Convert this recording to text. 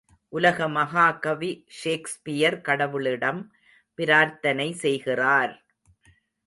உலக மகாகவி ஷேக்ஸ்பியர் கடவுளிடம் பிரார்த்தனை செய்கிறார்!